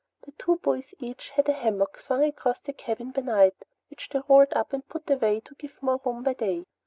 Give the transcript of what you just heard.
The two boys each had a hammock swung across the cabin by night which they rolled up and put away to give more room by day.